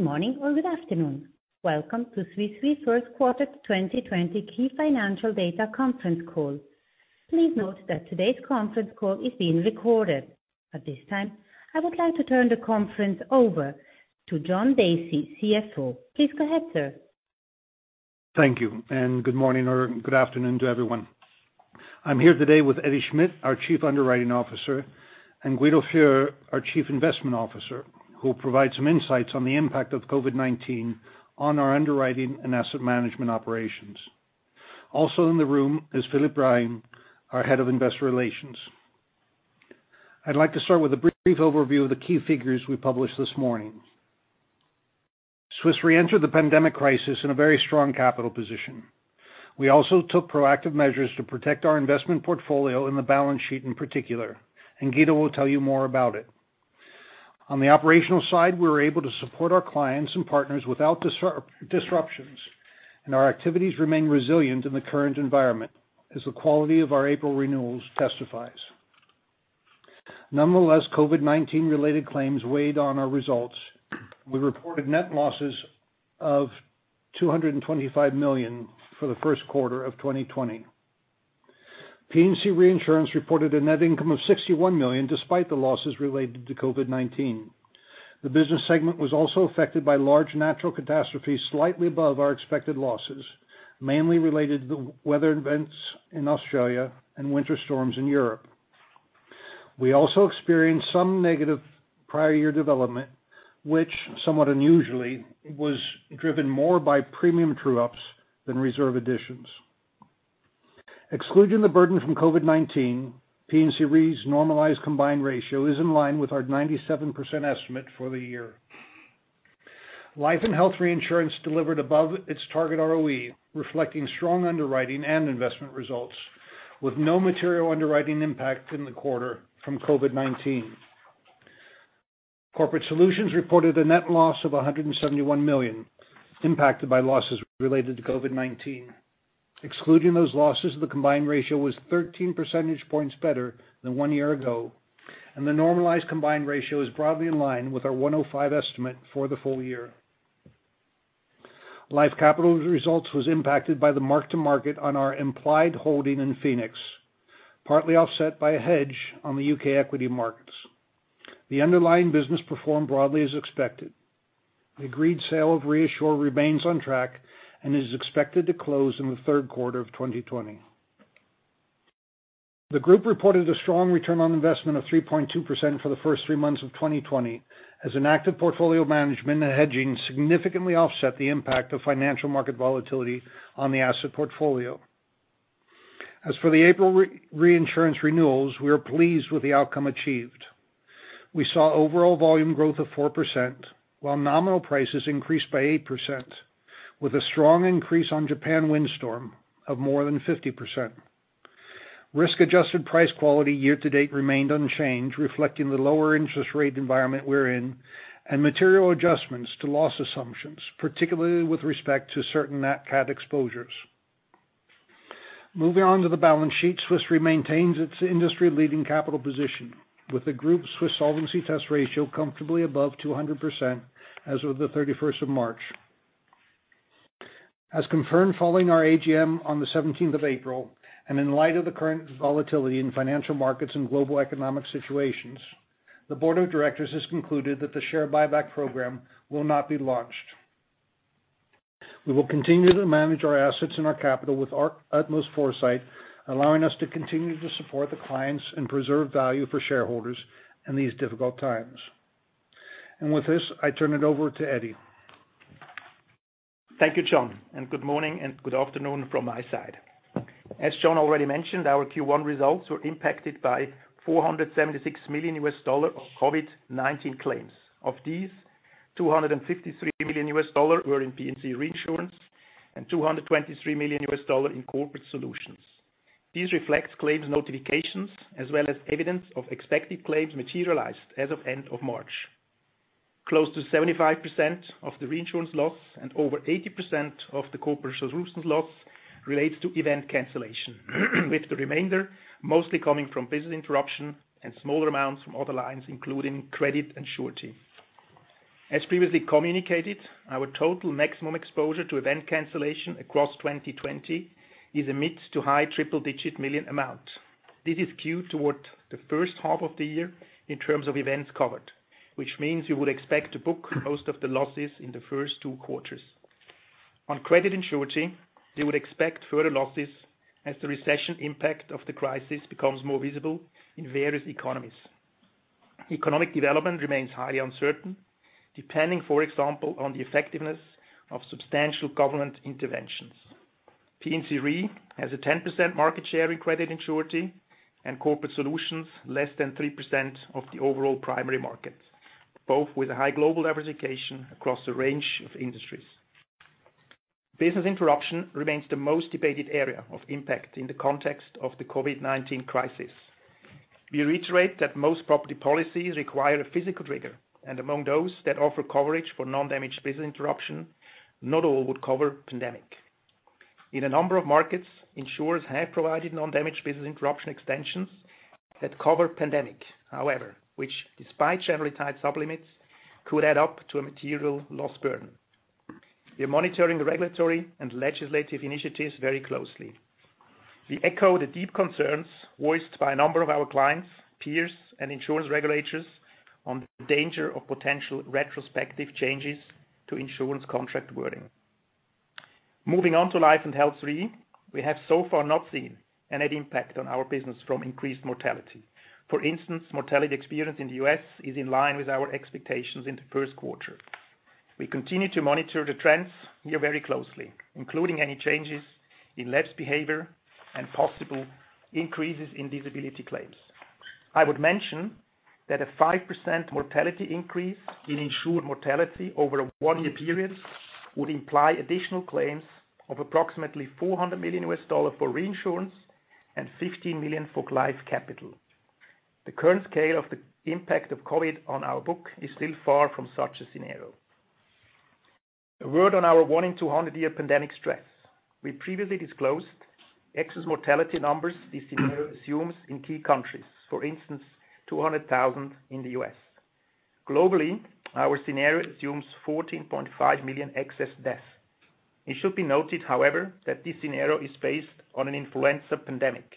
Good morning or good afternoon. Welcome to Swiss Re's first quarter 2020 key financial data conference call. Please note that today's conference call is being recorded. At this time, I would like to turn the conference over to John Dacey, CFO. Please go ahead, sir. Thank you, good morning or good afternoon to everyone. I'm here today with Eddie Schmid, our Chief Underwriting Officer, and Guido Fürer, our Chief Investment Officer, who will provide some insights on the impact of COVID-19 on our underwriting and asset management operations. Also in the room is Philippe Brahin, our Head of Investor Relations. I'd like to start with a brief overview of the key figures we published this morning. Swiss Re entered the pandemic crisis in a very strong capital position. We also took proactive measures to protect our investment portfolio in the balance sheet in particular. Guido will tell you more about it. On the operational side, we were able to support our clients and partners without disruptions. Our activities remain resilient in the current environment as the quality of our April renewals testifies. Nonetheless, COVID-19 related claims weighed on our results. We reported net losses of $225 million for the first quarter of 2020. P&C Reinsurance reported a net income of $61 million despite the losses related to COVID-19. The business segment was also affected by large natural catastrophes slightly above our expected losses, mainly related to the weather events in Australia and winter storms in Europe. We also experienced some negative prior year development, which somewhat unusually, was driven more by premium true-ups than reserve additions. Excluding the burden from COVID-19, P&C Re's normalized combined ratio is in line with our 97% estimate for the year. Life & Health Reinsurance delivered above its target ROE, reflecting strong underwriting and investment results, with no material underwriting impact in the quarter from COVID-19. Corporate Solutions reported a net loss of $171 million impacted by losses related to COVID-19. Excluding those losses, the combined ratio was 13 percentage points better than one year ago. The normalized combined ratio is broadly in line with our 105 estimate for the full year. Life Capital results was impacted by the mark to market on our implied holding in Phoenix, partly offset by a hedge on the U.K. equity markets. The underlying business performed broadly as expected. The agreed sale of ReAssure remains on track and is expected to close in the third quarter of 2020. The group reported a strong return on investment of 3.2% for the first three months of 2020 as an active portfolio management and hedging significantly offset the impact of financial market volatility on the asset portfolio. For the April reinsurance renewals, we are pleased with the outcome achieved. We saw overall volume growth of 4%, while nominal prices increased by 8%, with a strong increase on Japan windstorm of more than 50%. Risk adjusted price quality year to date remained unchanged, reflecting the lower interest rate environment we're in and material adjustments to loss assumptions, particularly with respect to certain cat exposures. Moving on to the balance sheet, Swiss Re maintains its industry leading capital position with the group Swiss Solvency Test ratio comfortably above 200% as of the 31st of March. As confirmed following our AGM on the 17th of April, and in light of the current volatility in financial markets and global economic situations, the board of directors has concluded that the share buyback program will not be launched. We will continue to manage our assets and our capital with our utmost foresight, allowing us to continue to support the clients and preserve value for shareholders in these difficult times. With this, I turn it over to Eddie. Thank you, John, and good morning and good afternoon from my side. As John already mentioned, our Q1 results were impacted by $476 million of COVID-19 claims. Of these, $253 million were in P&C Reinsurance and $223 million in Corporate Solutions. These reflect claims notifications as well as evidence of expected claims materialized as of end of March. Close to 75% of the reinsurance loss and over 80% of the Corporate Solutions loss relates to event cancellation, with the remainder mostly coming from business interruption and smaller amounts from other lines, including credit and surety. As previously communicated, our total maximum exposure to event cancellation across 2020 is a mid to high triple digit million amount. This is skewed towards the first half of the year in terms of events covered, which means you would expect to book most of the losses in the first two quarters. On credit and surety, you would expect further losses as the recession impact of the crisis becomes more visible in various economies. Economic development remains highly uncertain, depending, for example, on the effectiveness of substantial government interventions. P&C Re has a 10% market share in credit and surety, and Corporate Solutions less than 3% of the overall primary market, both with a high global diversification across a range of industries. Business interruption remains the most debated area of impact in the context of the COVID-19 crisis. We reiterate that most property policies require a physical trigger, and among those that offer coverage for non-damaged business interruption, not all would cover pandemic. In a number of markets, insurers have provided non-damage business interruption extensions that cover pandemic, however, which despite generally tight sub-limits, could add up to a material loss burden. We are monitoring the regulatory and legislative initiatives very closely. We echo the deep concerns voiced by a number of our clients, peers, and insurance regulators on the danger of potential retrospective changes to insurance contract wording. Moving on to Life & Health Re, we have so far not seen any impact on our business from increased mortality. For instance, mortality experience in the U.S. is in line with our expectations in the first quarter. We continue to monitor the trends here very closely, including any changes in lapse behavior and possible increases in disability claims. I would mention that a 5% mortality increase in insured mortality over a one-year period would imply additional claims of approximately $400 million for reinsurance and $15 million for Life Capital. The current scale of the impact of COVID-19 on our book is still far from such a scenario. A word on our one in 200-year pandemic stress. We previously disclosed excess mortality numbers this scenario assumes in key countries, for instance, 200,000 in the U.S. Globally, our scenario assumes 14.5 million excess deaths. It should be noted, however, that this scenario is based on an influenza pandemic,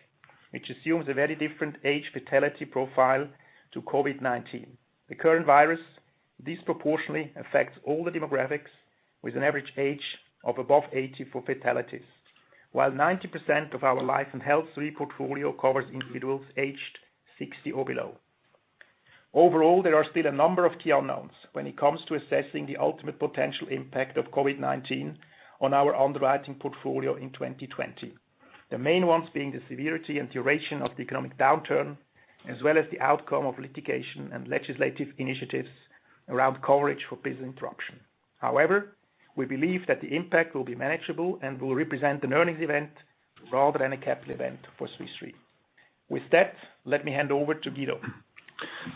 which assumes a very different age fatality profile to COVID-19. The current virus disproportionately affects all the demographics with an average age of above 80 for fatalities, while 90% of our Life & Health Re portfolio covers individuals aged 60 or below. Overall, there are still a number of key unknowns when it comes to assessing the ultimate potential impact of COVID-19 on our underwriting portfolio in 2020. The main ones being the severity and duration of the economic downturn, as well as the outcome of litigation and legislative initiatives around coverage for business interruption. We believe that the impact will be manageable and will represent an earnings event rather than a capital event for Swiss Re. With that, let me hand over to Guido.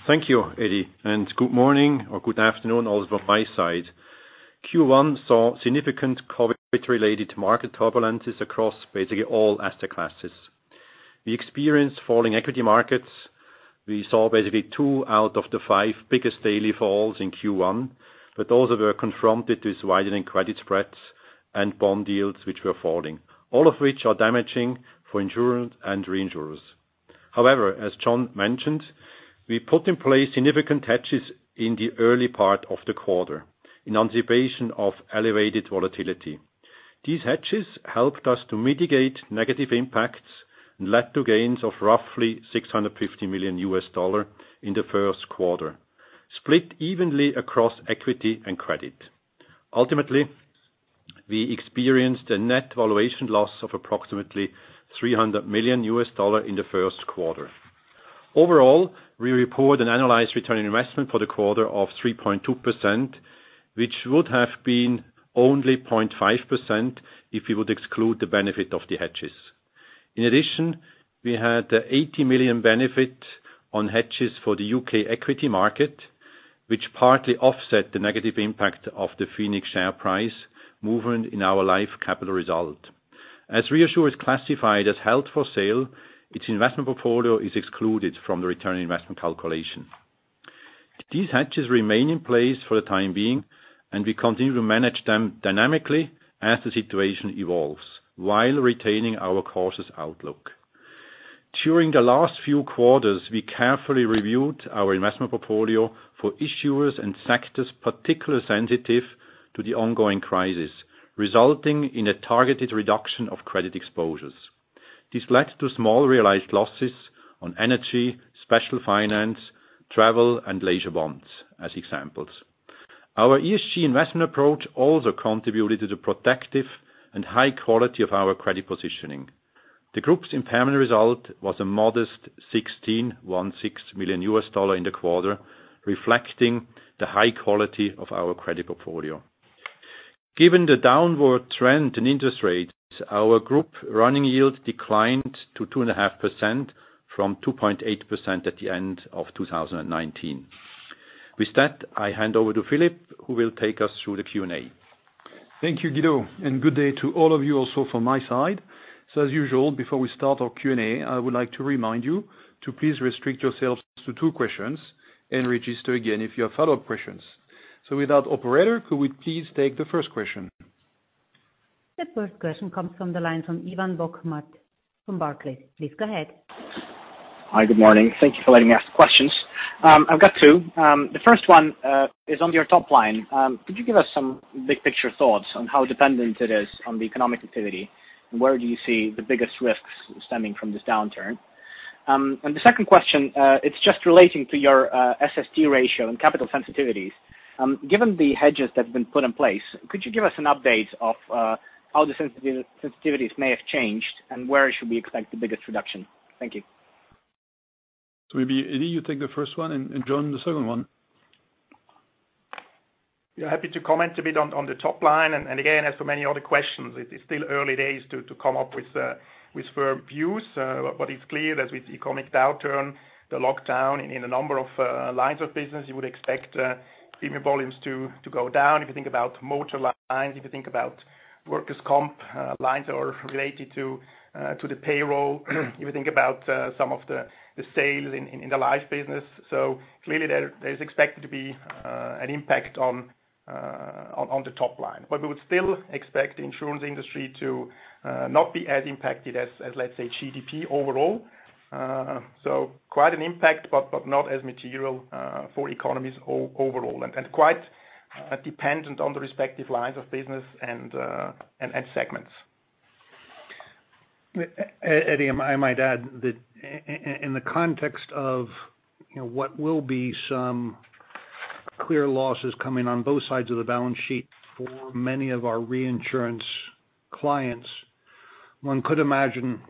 Thank you, Eddie, good morning or good afternoon also from my side. Q1 saw significant COVID-19 related market turbulences across basically all asset classes. We experienced falling equity markets. We saw basically two out of the five biggest daily falls in Q1, but also were confronted with widening credit spreads and bond yields, which were falling. All of which are damaging for insurers and reinsurers. However, as John mentioned, we put in place significant hedges in the early part of the quarter in anticipation of elevated volatility. These hedges helped us to mitigate negative impacts and led to gains of roughly $650 million in the first quarter, split evenly across equity and credit. Ultimately, we experienced a net valuation loss of approximately $300 million in the first quarter. Overall, we report an analyzed return on investment for the quarter of 3.2%, which would have been only 0.5% if we would exclude the benefit of the hedges. In addition, we had $80 million benefit on hedges for the U.K. equity market, which partly offset the negative impact of the Phoenix share price movement in our Life Capital result. As ReAssure is classified as held for sale, its investment portfolio is excluded from the return on investment calculation. These hedges remain in place for the time being, and we continue to manage them dynamically as the situation evolves while retaining our cautious outlook. During the last few quarters, we carefully reviewed our investment portfolio for issuers and sectors particularly sensitive to the ongoing crisis, resulting in a targeted reduction of credit exposures. This led to small realized losses on energy, special finance, travel, and leisure bonds as examples. Our ESG investment approach also contributed to the protective and high quality of our credit positioning. The group's impairment result was a modest $16.16 million in the quarter, reflecting the high quality of our credit portfolio. Given the downward trend in interest rates, our group running yield declined to 2.5% from 2.8% at the end of 2019. With that, I hand over to Philippe, who will take us through the Q&A. Thank you, Guido, and good day to all of you also from my side. As usual, before we start our Q&A, I would like to remind you to please restrict yourselves to two questions and register again if you have follow-up questions. With that, operator, could we please take the first question? The first question comes from the line from Ivan Bokhmat from Barclays. Please go ahead. Hi. Good morning. Thank you for letting me ask the questions. I've got two. The first one is on your top line. Could you give us some big picture thoughts on how dependent it is on the economic activity? Where do you see the biggest risks stemming from this downturn? The second question, it's just relating to your SST ratio and capital sensitivities. Given the hedges that have been put in place, could you give us an update of how the sensitivities may have changed, and where should we expect the biggest reduction? Thank you. Maybe Eddie, you take the first one and John the second one. Yeah, happy to comment a bit on the top line. Again, as so many other questions, it's still early days to come up with firm views. What is clear, as with economic downturn, the lockdown in a number of lines of business, you would expect premium volumes to go down. If you think about motor lines, if you think about workers' comp lines or related to the payroll, if you think about some of the sales in the life business. Clearly there is expected to be an impact on the top line. We would still expect the insurance industry to not be as impacted as, let's say, GDP overall. Quite an impact, but not as material for economies overall and quite dependent on the respective lines of business and segments. Eddie, I might add that in the context of what will be some clear losses coming on both sides of the balance sheet for many of our reinsurance clients. One could imagine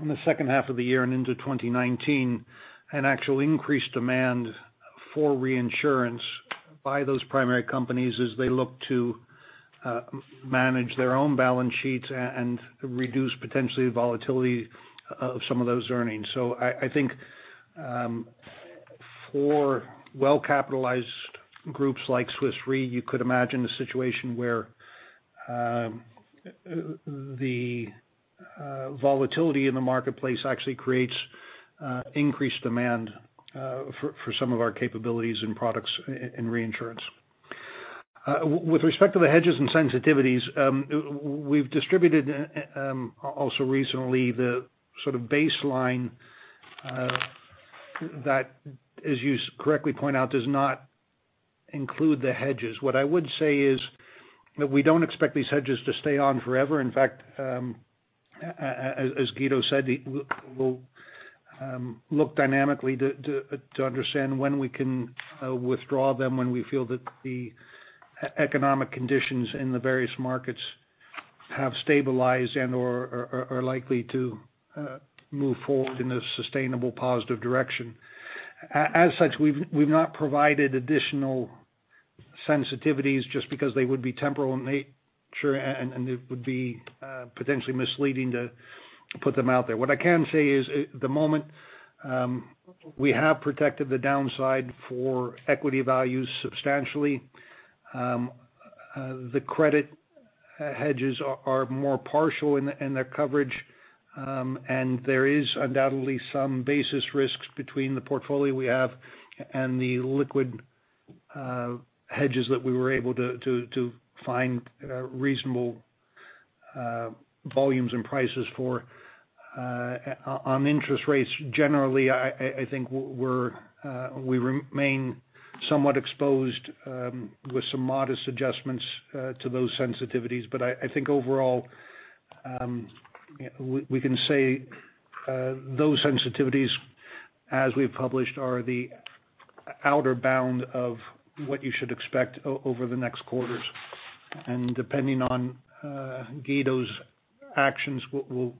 in the second half of the year and into 2019, an actual increased demand for reinsurance by those primary companies as they look to manage their own balance sheets and reduce potentially the volatility of some of those earnings. I think for well-capitalized groups like Swiss Re, you could imagine a situation where the volatility in the marketplace actually creates increased demand for some of our capabilities and products in reinsurance. With respect to the hedges and sensitivities, we've distributed also recently the sort of baseline that, as you correctly point out, does not include the hedges. What I would say is that we don't expect these hedges to stay on forever. In fact, as Guido said, we'll look dynamically to understand when we can withdraw them when we feel that the economic conditions in the various markets have stabilized and/or are likely to move forward in a sustainable positive direction. As such, we've not provided additional sensitivities just because they would be temporal in nature, and it would be potentially misleading to put them out there. What I can say is, at the moment, we have protected the downside for equity values substantially. The credit hedges are more partial in their coverage, and there is undoubtedly some basis risks between the portfolio we have and the liquid hedges that we were able to find reasonable volumes and prices for. On interest rates, generally, I think we remain somewhat exposed with some modest adjustments to those sensitivities. I think overall, we can say those sensitivities, as we've published, are the outer bound of what you should expect over the next quarters. Depending on Guido's actions, we'll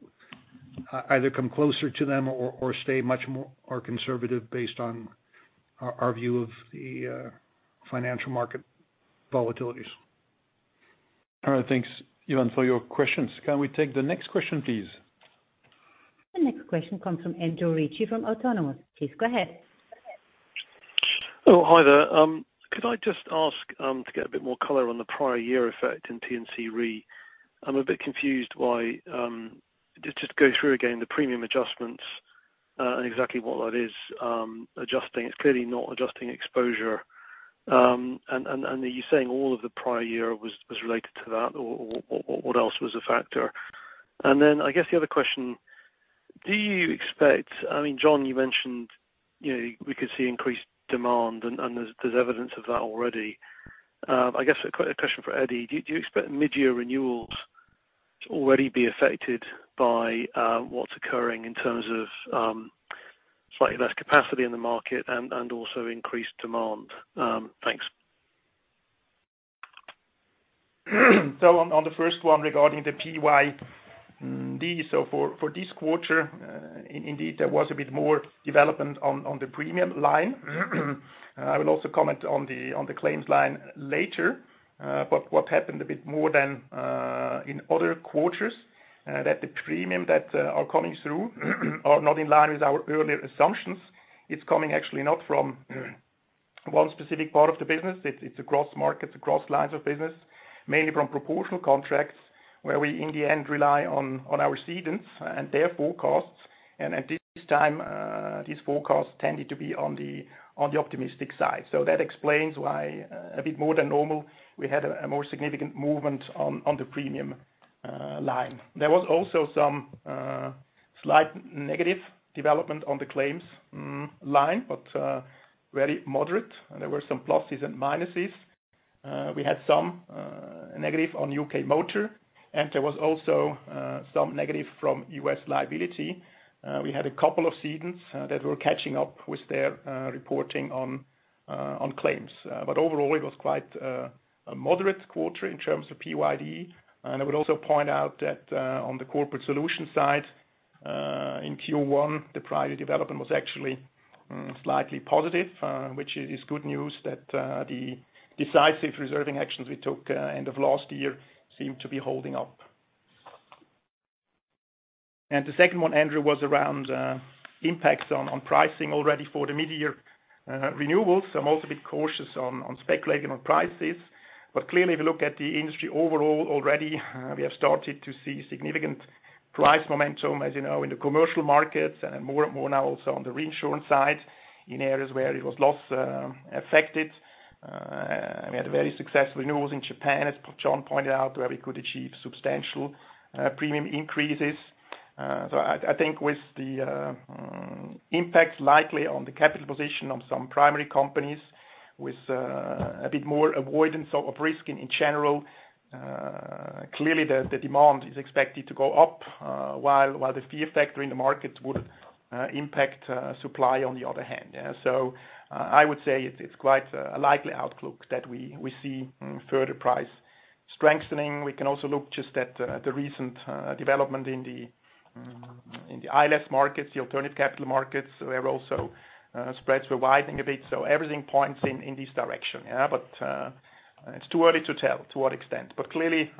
either come closer to them or stay much more conservative based on our view of the financial market volatilities. All right. Thanks, Ivan, for your questions. Can we take the next question, please? The next question comes from Andrew Ritchie from Autonomous. Please go ahead. Oh, hi there. Could I just ask to get a bit more color on the prior year effect in P&C Re? I'm a bit confused. Just go through again the premium adjustments, and exactly what that is adjusting. It's clearly not adjusting exposure. Are you saying all of the prior year was related to that, or what else was a factor? I guess the other question, John, you mentioned we could see increased demand, and there's evidence of that already. I guess a question for Eddie. Do you expect mid-year renewals to already be affected by what's occurring in terms of slightly less capacity in the market and also increased demand? Thanks. On the first one regarding the PYD. For this quarter, indeed, there was a bit more development on the premium line. I will also comment on the claims line later. What happened a bit more than in other quarters, that the premium that are coming through are not in line with our earlier assumptions. It's coming actually not from one specific part of the business. It's across markets, across lines of business. Mainly from proportional contracts where we, in the end, rely on our cedents and their forecasts. At this time, these forecasts tended to be on the optimistic side. That explains why a bit more than normal, we had a more significant movement on the premium line. There was also some slight negative development on the claims line, but very moderate. There were some pluses and minuses. We had some negative on UK Motor, and there was also some negative from U.S. liability. We had a couple of cedents that were catching up with their reporting on claims. Overall, it was quite a moderate quarter in terms of PYD. I would also point out that on the Corporate Solutions side. In Q1, the prior development was actually slightly positive, which is good news that the decisive reserving actions we took end of last year seem to be holding up. The second one, Andrew, was around impacts on pricing already for the mid-year renewals. I'm also a bit cautious on speculating on prices. Clearly, if you look at the industry overall already, we have started to see significant price momentum, as you know, in the commercial markets and more now also on the reinsurance side, in areas where it was loss affected. We had very successful renewals in Japan, as John pointed out, where we could achieve substantial premium increases. I think with the impact likely on the capital position of some primary companies with a bit more avoidance of risk in general, clearly the demand is expected to go up, while the fear factor in the market would impact supply on the other hand. I would say it's quite a likely outlook that we see further price strengthening. We can also look just at the recent development in the ILS markets, the alternative capital markets, where also spreads were widening a bit. Everything points in this direction. It's too early to tell to what extent. Clearly,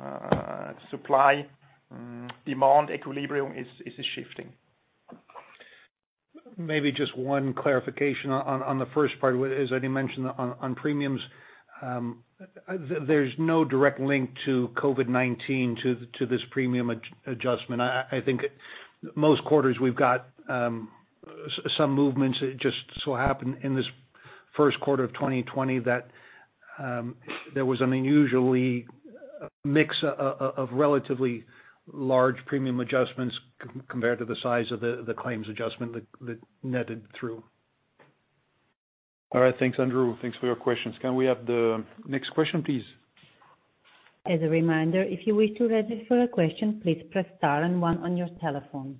supply, demand equilibrium is shifting. Maybe just one clarification on the first part. As Eddie mentioned on premiums, there's no direct link to COVID-19 to this premium adjustment. I think most quarters we've got some movements. It just so happened in this first quarter of 2020 that there was an unusually mix of relatively large premium adjustments compared to the size of the claims adjustment that netted through. All right. Thanks, Andrew. Thanks for your questions. Can we have the next question, please? As a reminder, if you wish to register a question, please press star and one on your telephone.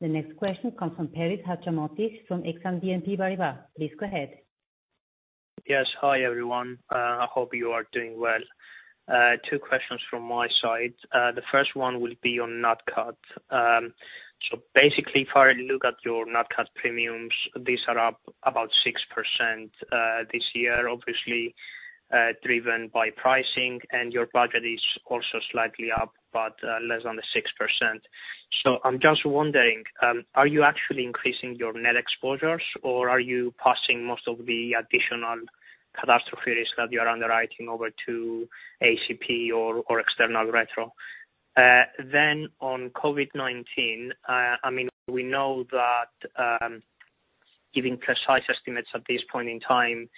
The next question comes from Paris Hadjiantonis from Exane BNP Paribas. Please go ahead. Yes. Hi, everyone. I hope you are doing well. Two questions from my side. The first one will be on Nat Cat. Basically, if I look at your Nat Cat premiums, these are up about 6% this year, obviously, driven by pricing, and your budget is also slightly up, but less than the 6%. I'm just wondering, are you actually increasing your net exposures, or are you passing most of the additional catastrophe risk that you are underwriting over to ACP or external retro? On COVID-19, we know that giving precise estimates at this point in time is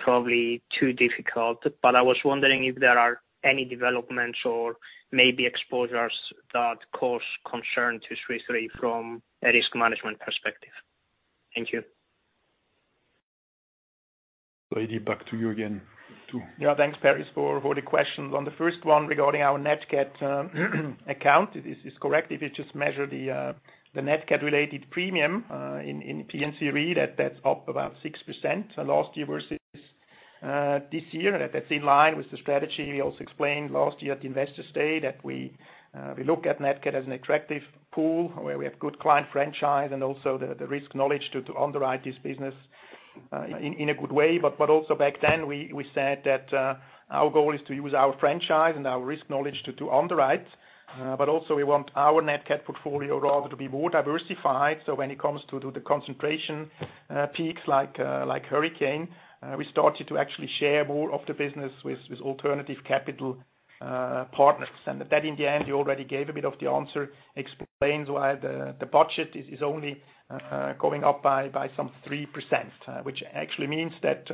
probably too difficult, but I was wondering if there are any developments or maybe exposures that cause concern to Swiss Re from a risk management perspective. Thank you. Eddie, back to you again too. Yeah. Thanks, Paris, for the questions. On the first one regarding our Nat Cat account, this is correct. If you just measure the Nat Cat related premium in P&C Re, that's up about 6% last year versus this year. That's in line with the strategy we also explained last year at the investor day that we look at Nat Cat as an attractive pool where we have good client franchise and also the risk knowledge to underwrite this business in a good way. Also back then, we said that our goal is to use our franchise and our risk knowledge to underwrite. Also we want our Nat Cat portfolio rather to be more diversified. When it comes to the concentration peaks like hurricane, we started to actually share more of the business with Alternative Capital Partners. That in the end, you already gave a bit of the answer, explains why the budget is only going up by some 3%, which actually means that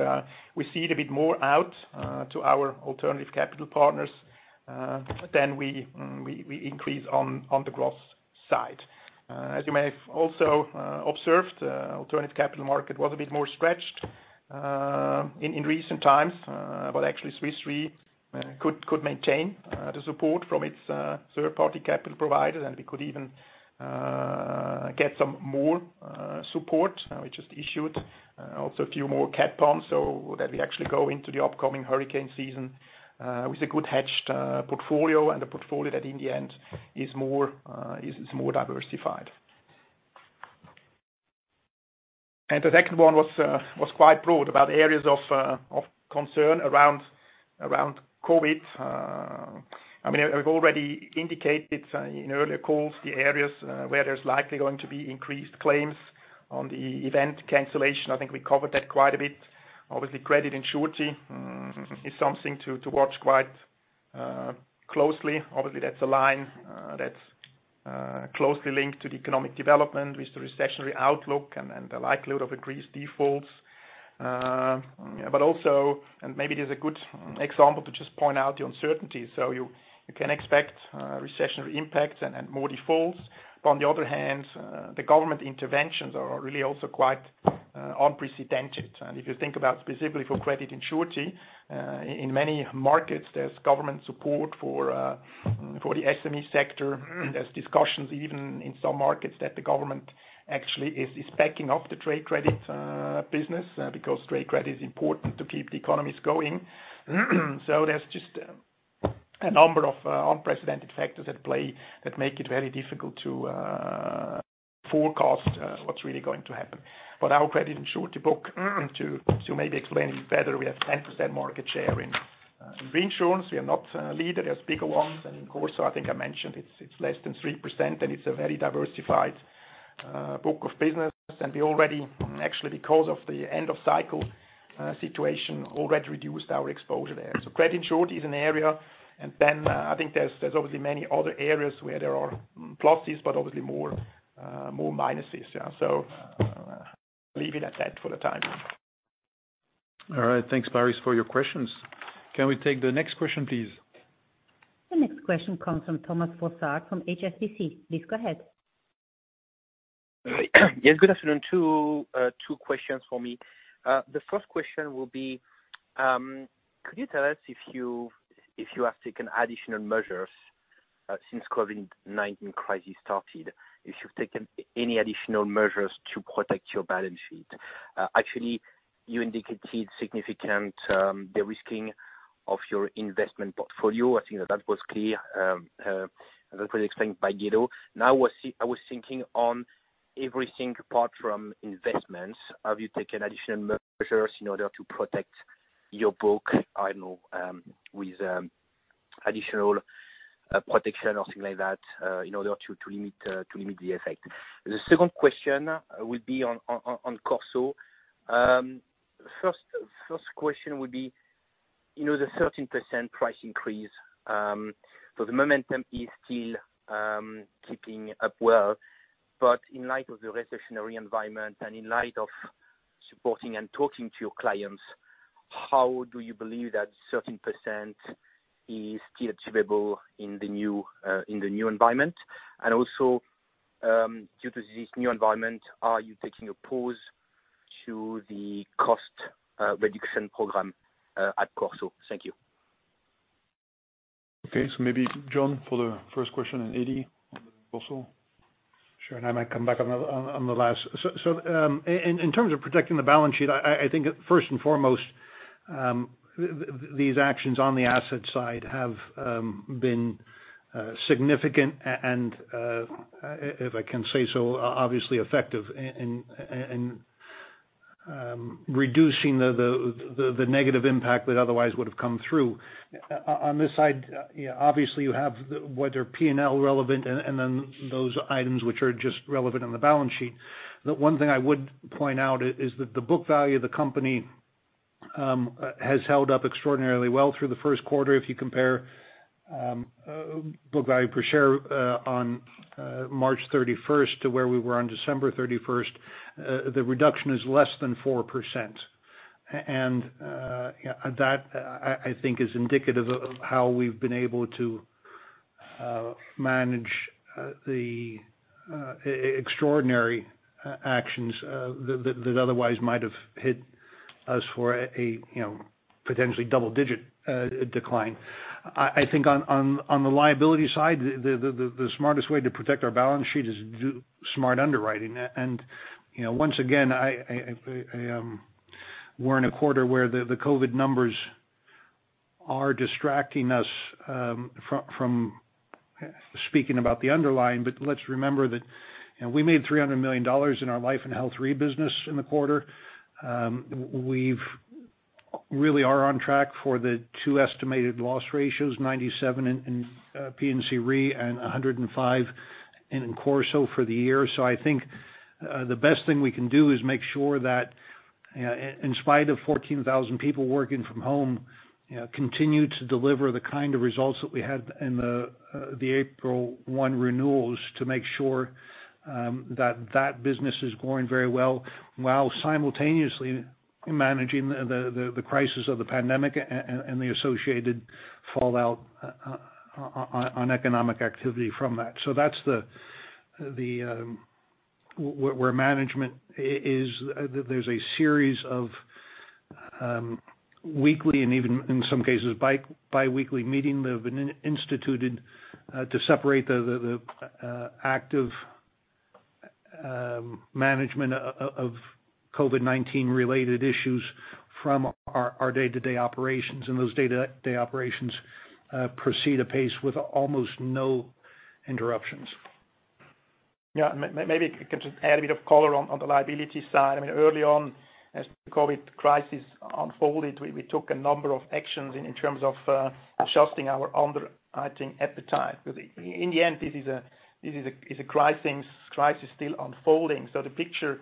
we cede a bit more out to our Alternative Capital Partners than we increase on the gross side. As you may have also observed, alternative capital market was a bit more stretched in recent times. Actually Swiss Re could maintain the support from its third-party capital provider, and we could even get some more support. We just issued also a few more cat bonds so that we actually go into the upcoming hurricane season with a good hedged portfolio and a portfolio that in the end is more diversified. The second one was quite broad about areas of concern around COVID. We've already indicated in earlier calls the areas where there's likely going to be increased claims on the event cancellation. I think we covered that quite a bit. Obviously, credit and surety is something to watch quite closely. Obviously, that's a line that's closely linked to the economic development with the recessionary outlook and the likelihood of increased defaults. Also, and maybe it is a good example to just point out the uncertainty. You can expect recessionary impacts and more defaults. On the other hand, the government interventions are really also quite unprecedented. If you think about specifically for credit and surety, in many markets, there's government support for the SME sector. There's discussions even in some markets that the government actually is backing up the trade credit business because trade credit is important to keep the economies going. There's just a number of unprecedented factors at play that make it very difficult to forecast what's really going to happen. Our credit and surety book, to maybe explain better, we have 10% market share in reinsurance. We are not a leader. There's bigger ones. In CorSo, I think I mentioned it's less than 3%, and it's a very diversified book of business. We already, actually because of the end of cycle situation, reduced our exposure there. Credit and surety is an area, and then I think there's obviously many other areas where there are pluses, but obviously more minuses. Yeah. I'll leave it at that for the time. All right. Thanks, Paris, for your questions. Can we take the next question, please? The next question comes from Thomas Fossard from HSBC. Please go ahead. Yes, good afternoon. Two questions for me. The first question will be, could you tell us if you have taken additional measures since COVID-19 crisis started, if you've taken any additional measures to protect your balance sheet? Actually, you indicated significant, the risking of your investment portfolio. I think that was clear as it was explained by Guido. I was thinking on everything apart from investments. Have you taken additional measures in order to protect your book? I know with additional protection or things like that, in order to limit the effect. The second question will be on CorSo. First question would be, the 13% price increase. The momentum is still keeping up well, but in light of the recessionary environment and in light of supporting and talking to your clients, how do you believe that 13% is still achievable in the new environment? Also, due to this new environment, are you taking a pause to the cost reduction program at CorSo? Thank you. Okay. Maybe John for the first question and Eddie on CorSo. I might come back on the last. In terms of protecting the balance sheet, I think first and foremost, these actions on the asset side have been significant and, if I can say so, obviously effective in reducing the negative impact that otherwise would have come through. On this side, obviously you have, whether P&L relevant and then those items which are just relevant on the balance sheet. The one thing I would point out is that the book value of the company has held up extraordinarily well through the first quarter. If you compare book value per share on March 31st to where we were on December 31st, the reduction is less than 4%. That I think is indicative of how we've been able to manage the extraordinary actions that otherwise might have hit us for a potentially double digit decline. I think on the liability side, the smartest way to protect our balance sheet is do smart underwriting. Once again, we're in a quarter where the COVID numbers are distracting us from speaking about the underlying. Let's remember that we made $300 million in our Life & Health Re business in the quarter. We really are on track for the two estimated loss ratios, 97 in P&C Re and 105 in CorSo for the year. I think the best thing we can do is make sure that in spite of 14,000 people working from home, continue to deliver the kind of results that we had in the April 1 renewals to make sure that that business is going very well while simultaneously managing the crisis of the pandemic and the associated fallout on economic activity from that. That's where management is. There's a series of weekly and even in some cases biweekly meetings that have been instituted to separate the active management of COVID-19 related issues from our day-to-day operations. Those day-to-day operations proceed apace with almost no interruptions. Yeah. Maybe I can just add a bit of color on the liability side. Early on as the COVID crisis unfolded, we took a number of actions in terms of adjusting our underwriting appetite. In the end, this is a crisis still unfolding. The picture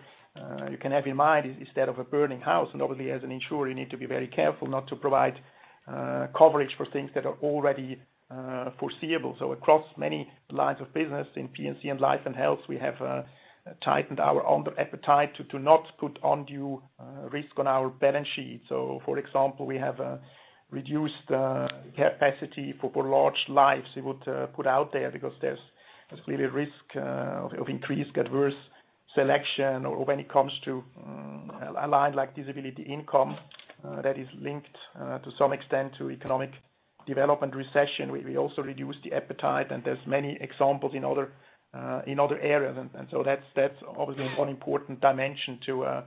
you can have in mind is that of a burning house. Obviously as an insurer, you need to be very careful not to provide coverage for things that are already foreseeable. Across many lines of business in P&C and life and health, we have tightened our underwriting appetite to not put undue risk on our balance sheet. For example, we have reduced capacity for large lives we would put out there because there's clearly a risk of increased adverse selection or when it comes to a line like disability income that is linked to some extent to economic development recession, we also reduce the appetite, and there's many examples in other areas. That's obviously one important dimension to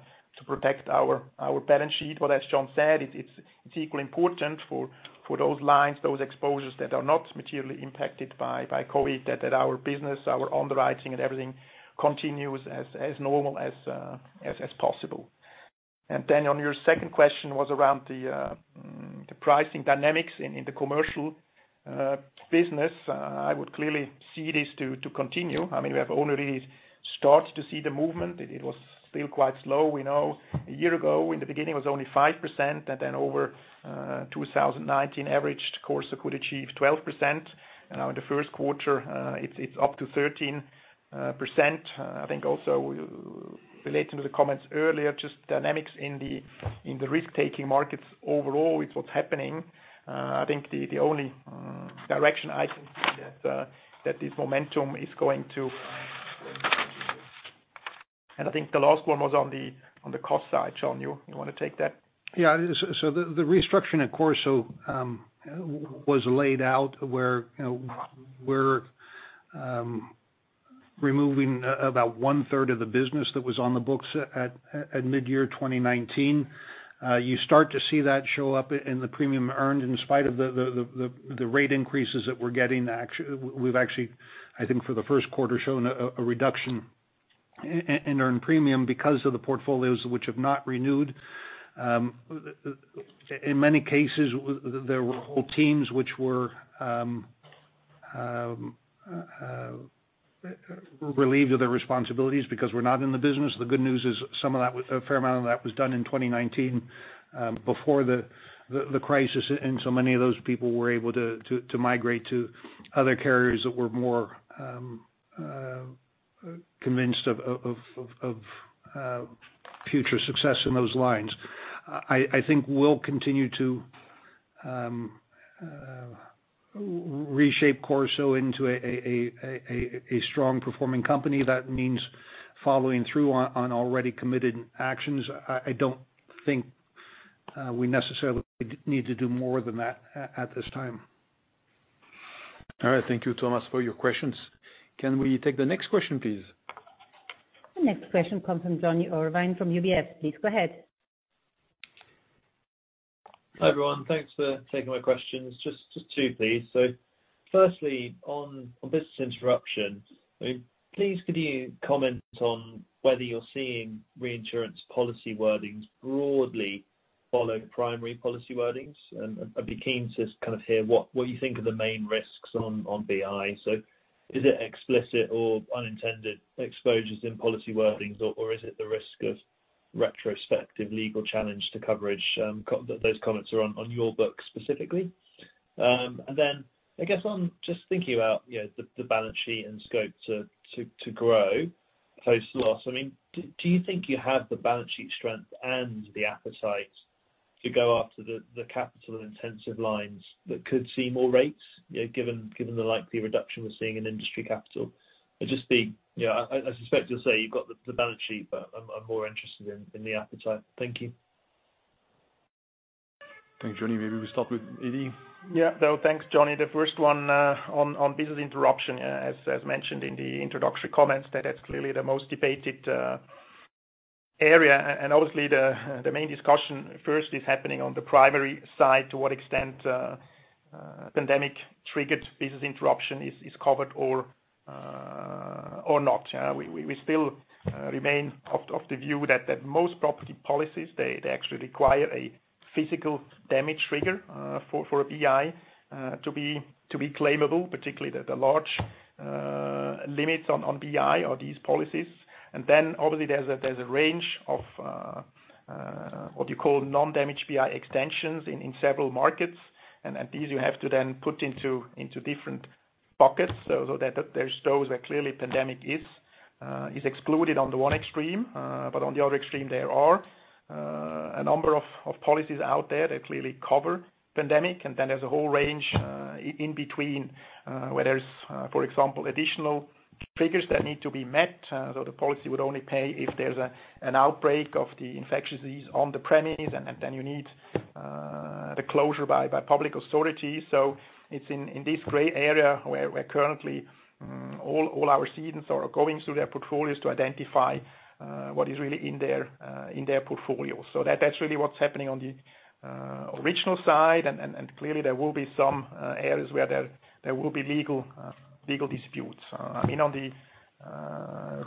protect our balance sheet. As John said, it's equally important for those lines, those exposures that are not materially impacted by COVID, that our business, our underwriting, and everything continues as normal as possible. On your second question was around the pricing dynamics in the commercial business. I would clearly see this to continue. We have only really started to see the movement. It was still quite slow. We know a year ago, in the beginning, it was only 5%, then over 2019 averaged, CorSo could achieve 12%. Now in the first quarter, it's up to 13%. I think also relating to the comments earlier, just dynamics in the risk-taking markets overall with what's happening. I think the last one was on the cost side, John, you want to take that? Yeah. The restructuring at CorSo was laid out where we're removing about one-third of the business that was on the books at mid-year 2019. You start to see that show up in the premium earned. In spite of the rate increases that we're getting, we've actually, I think for the first quarter, shown a reduction in earned premium because of the portfolios which have not renewed. In many cases, there were whole teams which were relieved of their responsibilities because we're not in the business. The good news is a fair amount of that was done in 2019, before the crisis, many of those people were able to migrate to other carriers that were more convinced of future success in those lines. I think we'll continue to reshape CorSo into a strong performing company. That means following through on already committed actions. I don't think we necessarily need to do more than that at this time. All right. Thank you, Thomas, for your questions. Can we take the next question, please? The next question comes from Jonny Urwin from UBS. Please go ahead. Hi, everyone. Thanks for taking my questions. Just two, please. Firstly, on business interruption, please could you comment on whether you're seeing reinsurance policy wordings broadly follow primary policy wordings? I'd be keen to just kind of hear what you think are the main risks on BI. Is it explicit or unintended exposures in policy wordings, or is it the risk of retrospective legal challenge to coverage? Those comments are on your book specifically. I guess on just thinking about the balance sheet and scope to grow post-loss, do you think you have the balance sheet strength and the appetite to go after the capital-intensive lines that could see more rates, given the likely reduction we're seeing in industry capital? I suspect you'll say you've got the balance sheet, but I'm more interested in the appetite. Thank you. Thanks, Jonny. Maybe we start with Eddie. Yeah. No, thanks, Jonny. The first one, on business interruption, as mentioned in the introductory comments, that is clearly the most debated area. Obviously, the main discussion first is happening on the primary side, to what extent pandemic-triggered business interruption is covered or not. We still remain of the view that most property policies, they actually require a physical damage trigger for a BI to be claimable, particularly the large limits on BI or these policies. Obviously there's a range of what you call non-damage BI extensions in several markets. These you have to then put into different buckets, so there's those where clearly pandemic is excluded on the one extreme, but on the other extreme, there are a number of policies out there that clearly cover pandemic. There's a whole range in between, where there's, for example, additional triggers that need to be met. The policy would only pay if there's an outbreak of the infectious disease on the premises, and then you need the closure by public authorities. It's in this gray area where currently all our cedents are going through their portfolios to identify what is really in their portfolio. Clearly there will be some areas where there will be legal disputes. On the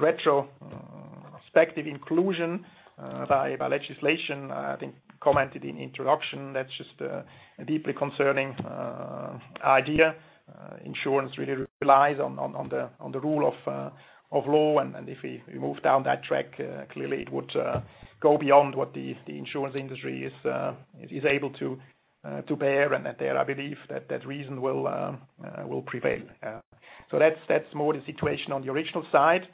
retrospective inclusion by legislation, I think commented in introduction, that's just a deeply concerning idea. Insurance really relies on the rule of law, and if we move down that track, clearly it would go beyond what the insurance industry is able to bear, and there I believe that reason will prevail. That's more the situation on the original side.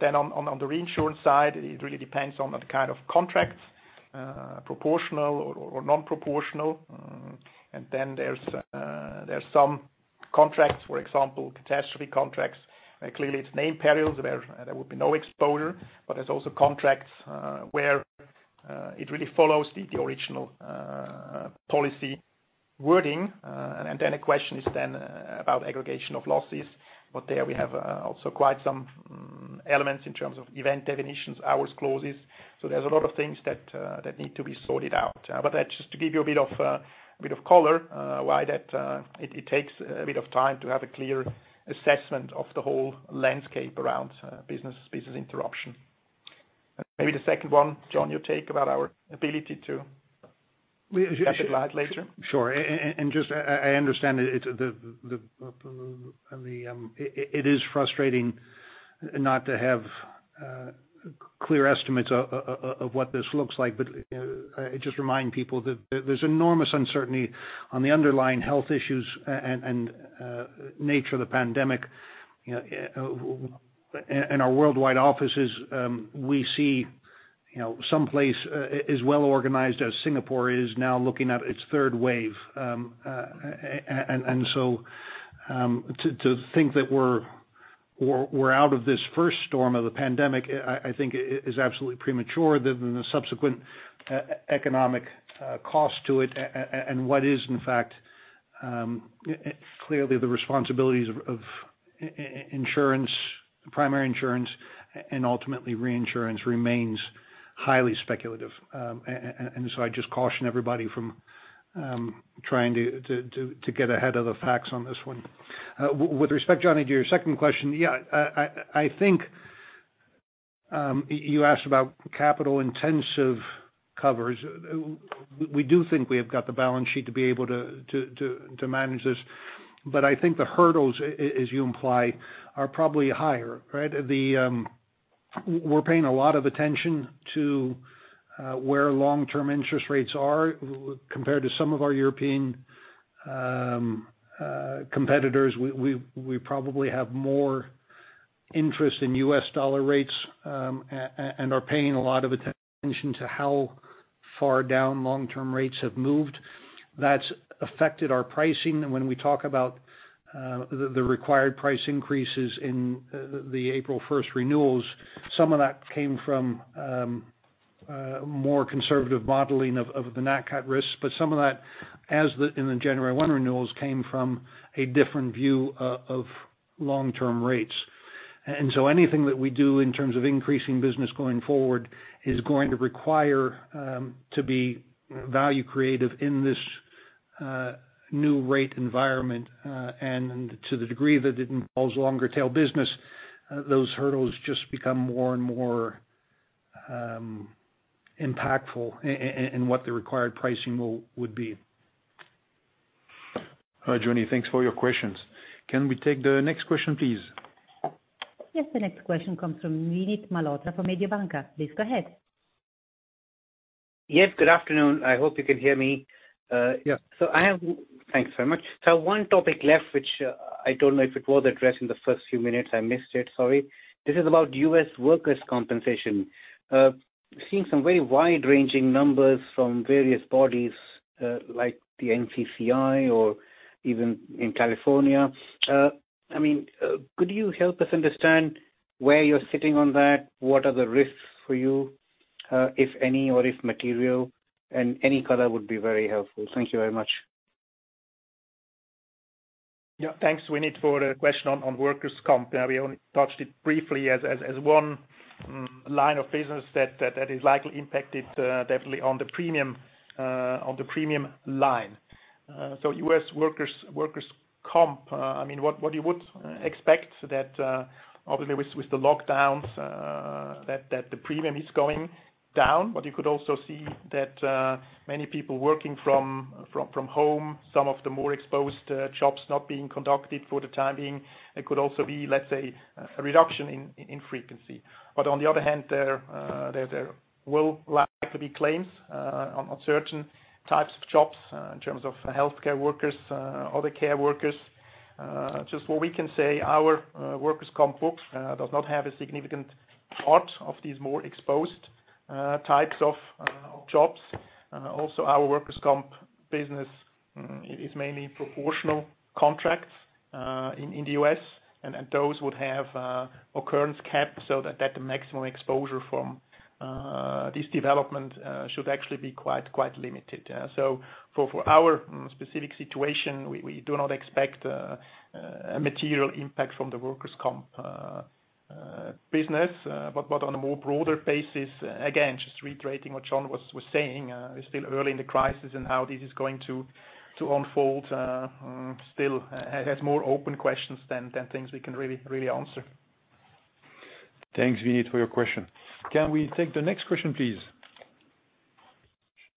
Then on the reinsurance side, it really depends on the kind of contracts, proportional or non-proportional. Then there's some contracts, for example, catastrophe contracts. Clearly, it's named perils, where there would be no exposure, but there's also contracts where it really follows the original policy wording. Then a question is about aggregation of losses. There we have also quite some elements in terms of event definitions, hours clauses. There's a lot of things that need to be sorted out. That's just to give you a bit of color why that it takes a bit of time to have a clear assessment of the whole landscape around business interruption. Maybe the second one, John, your take about our ability to shed light later. Sure. I understand it is frustrating not to have clear estimates of what this looks like. I just remind people that there's enormous uncertainty on the underlying health issues and nature of the pandemic. In our worldwide offices, we see someplace as well organized as Singapore is now looking at its third wave. To think that we're out of this first storm of the pandemic, I think is absolutely premature, given the subsequent economic cost to it and what is, in fact, clearly the responsibilities of primary insurance and ultimately reinsurance remains highly speculative. I just caution everybody from trying to get ahead of the facts on this one. With respect, Jonny, to your second question, you asked about capital-intensive covers. We do think we have got the balance sheet to be able to manage this. I think the hurdles, as you imply, are probably higher, right? We're paying a lot of attention to where long-term interest rates are compared to some of our European competitors. We probably have more interest in U.S. dollar rates and are paying a lot of attention to how far down long-term rates have moved. That's affected our pricing. When we talk about the required price increases in the April 1st renewals, some of that came from more conservative modeling of the Nat Cat risks. Some of that, as in the January 1 renewals, came from a different view of long-term rates. Anything that we do in terms of increasing business going forward is going to require to be value creative in this new rate environment. To the degree that it involves longer tail business, those hurdles just become more and more impactful in what the required pricing would be. All right, Jonny, thanks for your questions. Can we take the next question, please? Yes, the next question comes from Vinit Malhotra from Mediobanca. Please go ahead. Yes, good afternoon. I hope you can hear me. Yeah. Thanks very much. One topic left, which I don't know if it was addressed in the first few minutes, I missed it, sorry. This is about U.S. workers' compensation. Seeing some very wide-ranging numbers from various bodies like the NCCI or even in California. Could you help us understand where you're sitting on that? What are the risks for you, if any, or if material, any color would be very helpful. Thank you very much. Thanks, Vinit, for the question on workers' compensation. We only touched it briefly as one line of business that is likely impacted definitely on the premium line. U.S. workers' compensation, what you would expect that obviously with the lockdowns, that the premium is going down. You could also see that many people working from home, some of the more exposed jobs not being conducted for the time being. It could also be, let's say, a reduction in frequency. On the other hand, there will likely be claims on certain types of jobs in terms of healthcare workers, other care workers. Just what we can say, our workers' compensation book does not have a significant part of these more exposed types of jobs. Our workers' compensation business is mainly proportional contracts in the U.S., and those would have occurrence cap so that the maximum exposure from this development should actually be quite limited. For our specific situation, we do not expect a material impact from the workers' compensation business. On a more broader basis, again, just reiterating what John was saying, it's still early in the crisis and how this is going to unfold still has more open questions than things we can really answer. Thanks, Vinit, for your question. Can we take the next question, please?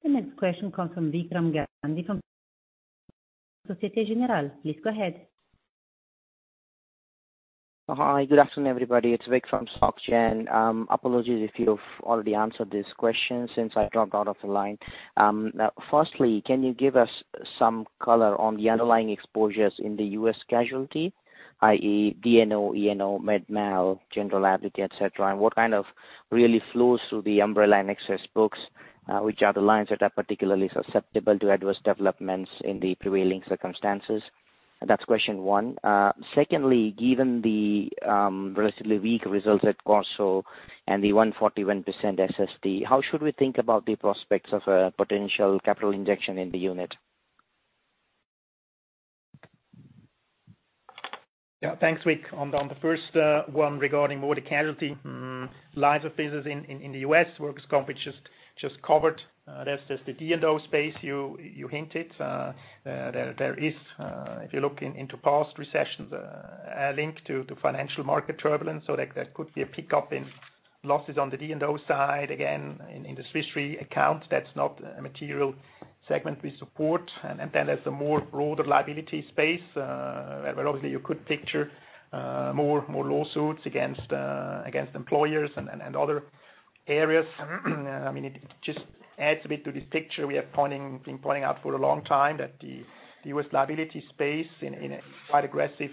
The next question comes from Vikram Gandhi from Société Générale. Please go ahead. Hi, good afternoon, everybody. It's Vik from Société Générale. Apologies if you've already answered this question since I dropped out of the line. Firstly, can you give us some color on the underlying exposures in the U.S. liability, i.e., D&O, E&O, medical malpractice, general liability, et cetera, and what kind of really flows through the umbrella and excess books, which are the lines that are particularly susceptible to adverse developments in the prevailing circumstances? That's question one. Secondly, given the relatively weak results at CorSo and the 141% SST, how should we think about the prospects of a potential capital injection in the unit? Yeah, thanks, Vik. The first one regarding more the casualty lines of business in the U.S. workers' comp, which just covered, that's just the D&O space you hinted. There is, if you look into past recessions, a link to financial market turbulence, there could be a pickup in losses on the D&O side again in the Swiss Re account. That's not a material segment we support. Then there's a more broader liability space where obviously you could picture more lawsuits against employers and other areas. It just adds a bit to this picture we have been pointing out for a long time that the U.S. liability space in a quite aggressive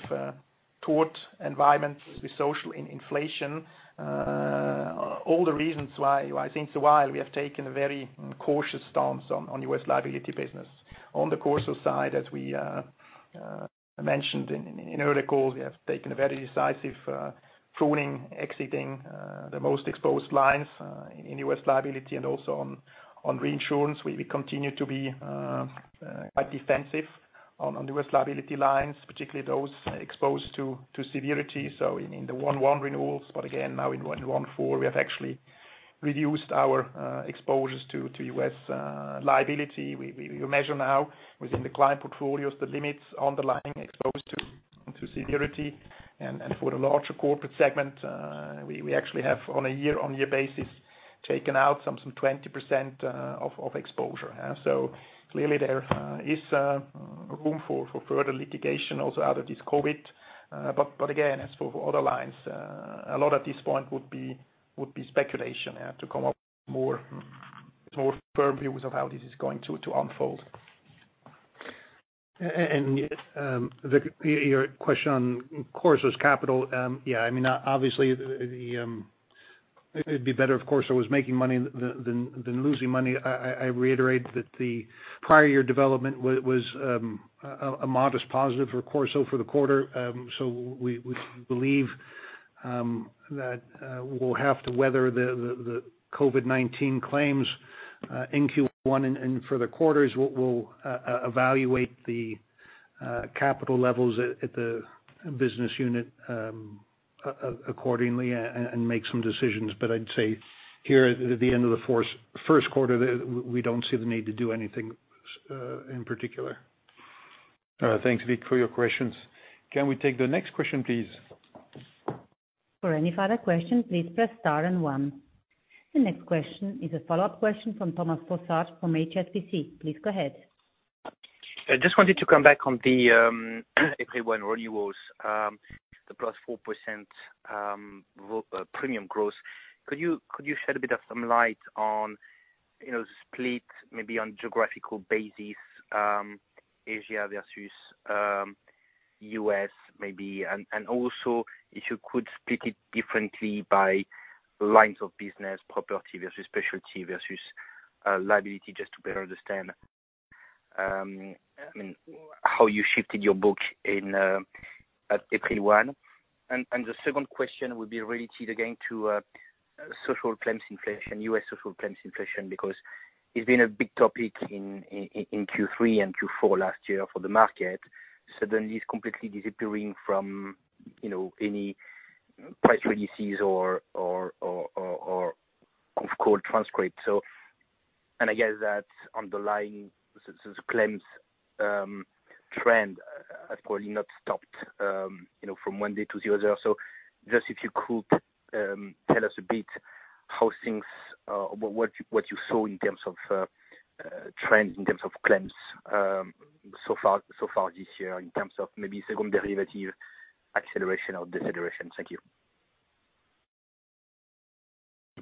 tort environment with social inflation. All the reasons why since a while, we have taken a very cautious stance on U.S. liability business. On the CorSo side, as we mentioned in earlier calls, we have taken a very decisive pruning, exiting the most exposed lines in U.S. liability and also on reinsurance. We continue to be quite defensive on the U.S. liability lines, particularly those exposed to severity. In the 1/1 renewals, but again now in 1/1/4, we have actually reduced our exposures to U.S. liability. We measure now within the client portfolios the limits underlying exposed to severity. For the larger corporate segment, we actually have on a year-on-year basis, taken out some 20% of exposure. Clearly there is room for further litigation also out of this COVID. Again, as for other lines, a lot at this point would be speculation to come up more firm views of how this is going to unfold. Vik, your question on CorSo's capital. Yeah, obviously it'd be better if CorSo was making money than losing money. I reiterate that the prior year development was a modest positive for CorSo for the quarter. We believe that we'll have to weather the COVID-19 claims in Q1 and for the quarters, we'll evaluate the capital levels at the business unit accordingly and make some decisions. I'd say here at the end of the first quarter, we don't see the need to do anything in particular. Thanks, Vik, for your questions. Can we take the next question, please? For any further questions, please press star and one. The next question is a follow-up question from Thomas Fossard from HSBC. Please go ahead. I just wanted to come back on the April 1 renewals, the +4% premium growth. Could you shed a bit of some light on split maybe on geographical basis, Asia versus U.S. maybe? Also if you could split it differently by lines of business, property versus specialty versus liability, just to better understand how you shifted your book at April 1. The second question would be related again to social claims inflation, U.S. social claims inflation, because it's been a big topic in Q3 and Q4 last year for the market. Suddenly it's completely disappearing from any price releases or of call transcript. I guess that underlying claims trend has probably not stopped from one day to the other. Just if you could tell us a bit what you saw in terms of trends in terms of claims so far this year in terms of maybe second derivative acceleration or deceleration? Thank you.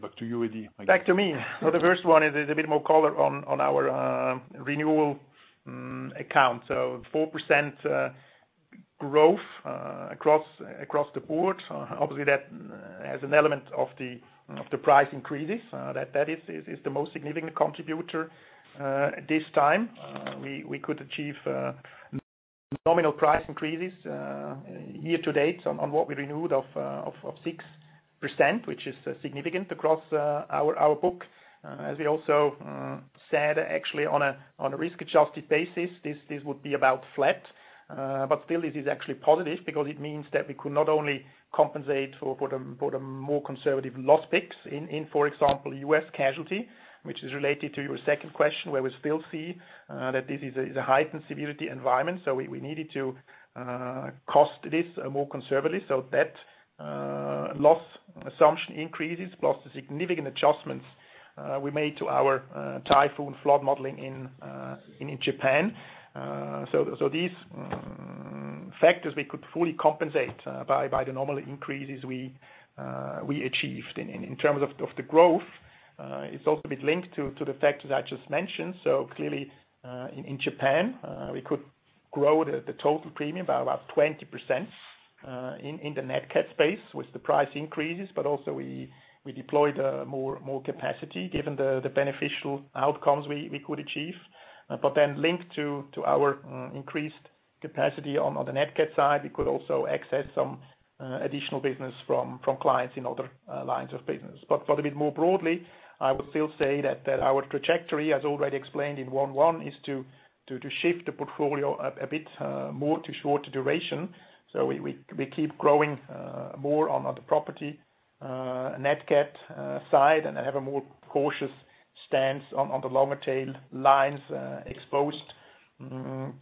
Back to you, Eddie. Back to me. The first one is a bit more color on our renewal account. 4% growth across the board. Obviously, that has an element of the price increases. That is the most significant contributor this time. We could achieve nominal price increases year to date on what we renewed of 6%, which is significant across our book. As we also said, actually, on a risk-adjusted basis, this would be about flat. Still, it is actually positive because it means that we could not only compensate for the more conservative loss picks in, for example, U.S. casualty, which is related to your second question, where we still see that this is a heightened severity environment, so we needed to cost this more conservatively, that loss assumption increases, plus the significant adjustments we made to our typhoon flood modeling in Japan. These factors we could fully compensate by the normal increases we achieved. In terms of the growth, it's also a bit linked to the factors I just mentioned. Clearly, in Japan, we could grow the total premium by about 20%. In the Nat Cat space with the price increases, also we deployed more capacity given the beneficial outcomes we could achieve. Linked to our increased capacity on the Nat Cat side, we could also access some additional business from clients in other lines of business. For a bit more broadly, I would still say that our trajectory, as already explained in one one, is to shift the portfolio a bit more to shorter duration. We keep growing more on the property Nat Cat side and have a more cautious stance on the longer tail lines exposed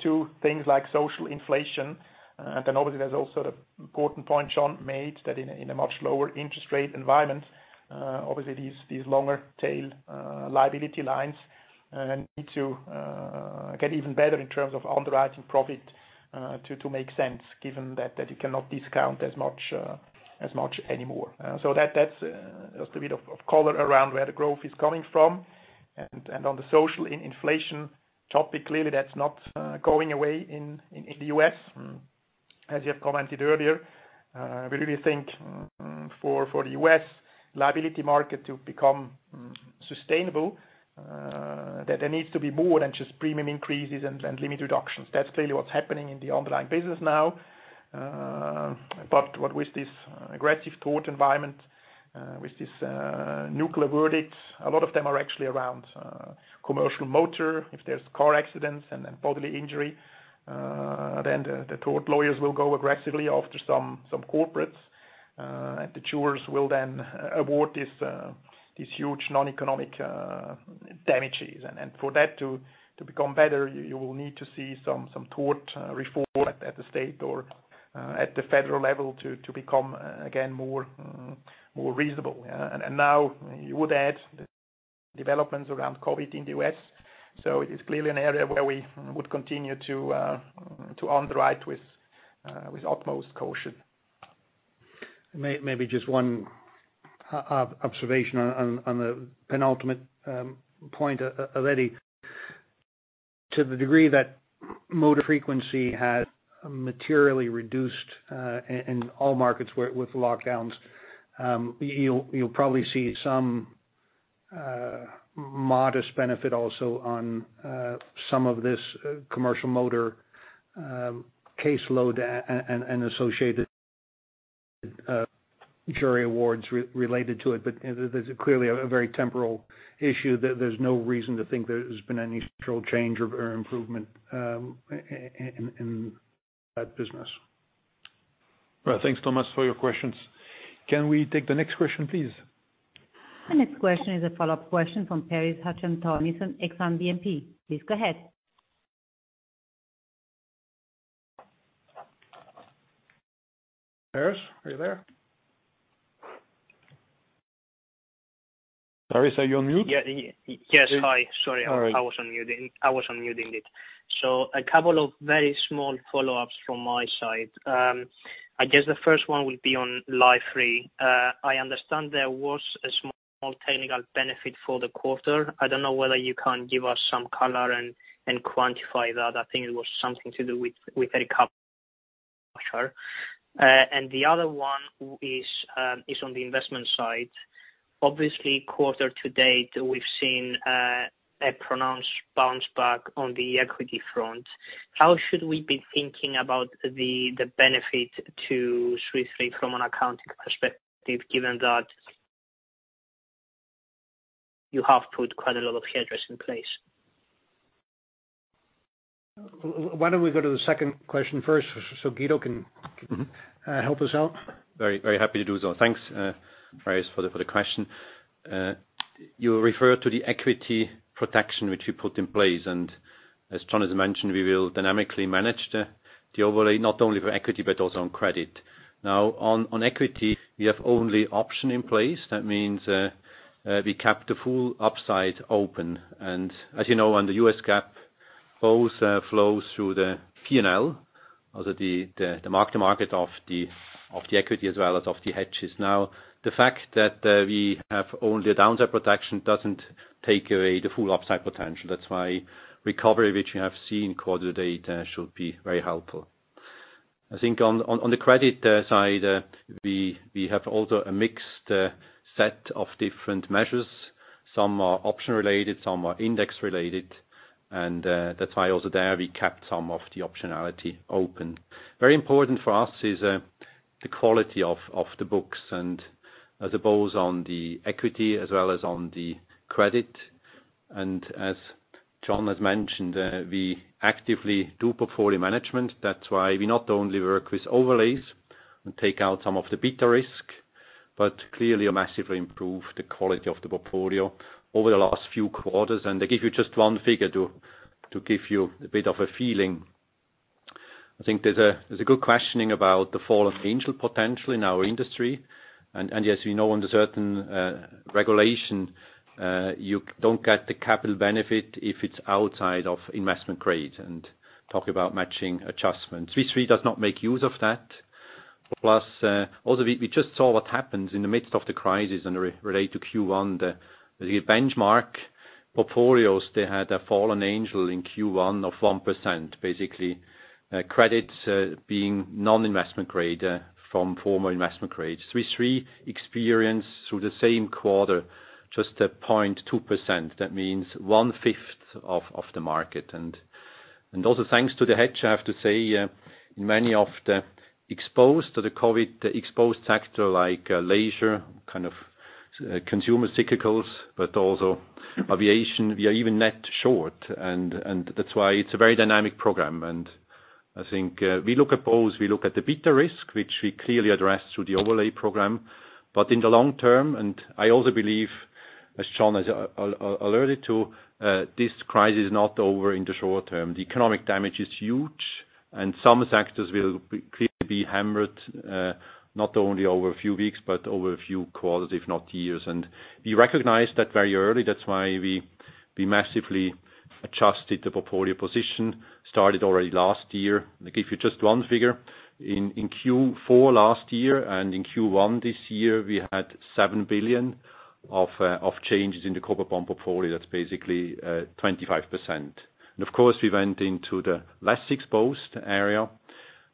to things like social inflation. Obviously there's also the important point John made that in a much lower interest rate environment, obviously these longer tail liability lines need to get even better in terms of underwriting profit to make sense, given that it cannot discount as much anymore. That's just a bit of color around where the growth is coming from. On the social inflation topic, clearly that's not going away in the U.S., as you have commented earlier. We really think for the U.S. liability market to become sustainable, that there needs to be more than just premium increases and limit reductions. That's clearly what's happening in the underlying business now. With this aggressive tort environment, with this nuclear verdict, a lot of them are actually around commercial motor. If there's car accidents and then bodily injury, then the tort lawyers will go aggressively after some corporates. The jurors will then award these huge non-economic damages. For that to become better, you will need to see some tort reform at the state or at the federal level to become, again, more reasonable. Now you would add the developments around COVID in the U.S. It is clearly an area where we would continue to underwrite with utmost caution. Maybe just one observation on the penultimate point, Eddie. To the degree that motor frequency has materially reduced in all markets with lockdowns, you'll probably see some modest benefit also on some of this commercial motor caseload and associated jury awards related to it. There's clearly a very temporal issue. There's no reason to think there's been any structural change or improvement in that business. Well, thanks, Thomas, for your questions. Can we take the next question, please? The next question is a follow-up question from Paris Hadjiantonis at Exane BNP. Please go ahead. Paris, are you there? Paris, are you on mute? Yes. Hi. Sorry, I was unmuting it. A couple of very small follow-ups from my side. I guess the first one would be on Life Re. I understand there was a small technical benefit for the quarter. I don't know whether you can give us some color and quantify that. I think it was something to do with a recovery factor. The other one is on the investment side. Obviously, quarter to date, we've seen a pronounced bounce back on the equity front. How should we be thinking about the benefit to Swiss Re from an accounting perspective, given that you have put quite a lot of hedges in place? Why don't we go to the second question first so Guido can help us out? Very happy to do so. Thanks, Paris, for the question. You refer to the equity protection which we put in place. As John has mentioned, we will dynamically manage the overlay, not only for equity but also on credit. On equity, we have only option in place. That means we kept the full upside open. As you know, on the U.S. GAAP, both flows through the P&L. Also the mark to market of the equity as well as of the hedges. The fact that we have only a downside protection doesn't take away the full upside potential. That's why recovery, which we have seen quarter to date, should be very helpful. I think on the credit side, we have also a mixed set of different measures. Some are option related, some are index related. That's why also there we kept some of the optionality open. Very important for us is the quality of the books and the both on the equity as well as on the credit. As John has mentioned, we actively do portfolio management. That's why we not only work with overlays and take out some of the beta risk, but clearly massively improve the quality of the portfolio over the last few quarters. I give you just one figure to give you a bit of a feeling. I think there's a good questioning about the fallen angel potential in our industry. As we know under certain regulation, you don't get the capital benefit if it's outside of investment grade and talk about matching adjustment. Swiss Re does not make use of that. Plus, also we just saw what happens in the midst of the crisis and relate to Q1, the benchmark. Portfolios, they had a fallen angel in Q1 of 1%, basically credits being non-investment grade from former investment grade. Swiss Re experienced through the same quarter, just a 0.2%. That means one fifth of the market. Also thanks to the hedge, I have to say, in many of the exposed to the COVID, exposed sector like leisure, kind of consumer cyclicals, but also aviation, we are even net short. That's why it's a very dynamic program. I think we look at both. We look at the beta risk, which we clearly address through the overlay program. In the long term, I also believe, as John has alerted to, this crisis is not over in the short term. The economic damage is huge, and some sectors will clearly be hammered, not only over a few weeks, but over a few quarters, if not years. We recognized that very early. That's why we massively adjusted the portfolio position, started already last year. I give you just one figure. In Q4 last year and in Q1 this year, we had $7 billion of changes in the corporate bond portfolio. That's basically 25%. Of course, we went into the less exposed area,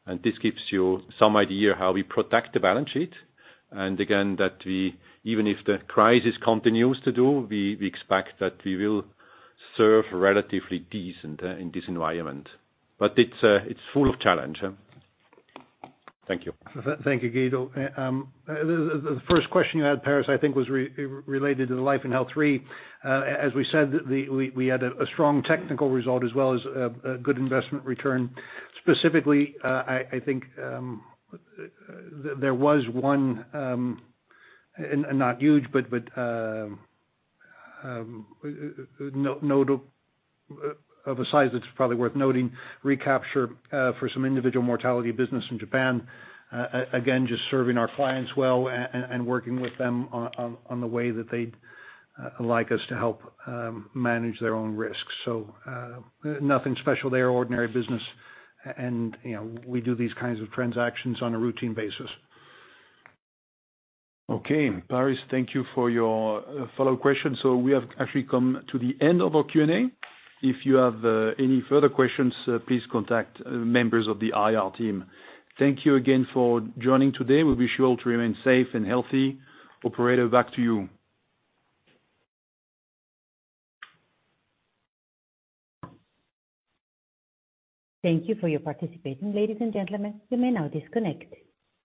and this gives you some idea how we protect the balance sheet. Again, that even if the crisis continues to do, we expect that we will serve relatively decent in this environment. It's full of challenge. Thank you. Thank you, Guido. The first question you had, Paris, I think was related to the Life & Health Re. As we said, we had a strong technical result as well as a good investment return. Specifically, I think, there was one, not huge, but of a size that's probably worth noting, recapture for some individual mortality business in Japan. Again, just serving our clients well and working with them on the way that they'd like us to help manage their own risks. Nothing special there, ordinary business, and we do these kinds of transactions on a routine basis. Okay. Paris, thank you for your follow-up question. We have actually come to the end of our Q&A. If you have any further questions, please contact members of the IR team. Thank you again for joining today. We'll be sure to remain safe and healthy. Operator, back to you. Thank you for your participation, ladies and gentlemen. You may now disconnect.